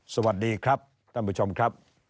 สวัสดีครับท่านผู้ชมครับ